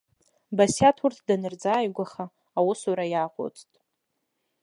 Басиаҭ урҭ данырзааигәаха, аусура иааҟәыҵт.